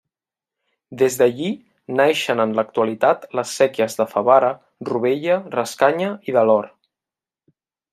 Des d'allí naixen en l'actualitat les séquies de Favara, Rovella, Rascanya i de l'Or.